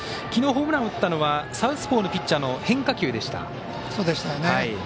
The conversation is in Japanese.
きのうホームランを打ったのはサウスポーのピッチャーの変化球でした。